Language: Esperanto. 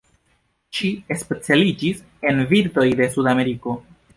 Ŝi specialiĝis en birdoj de Sudameriko.